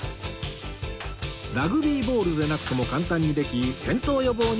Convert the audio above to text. ラグビーボールでなくても簡単にできいいね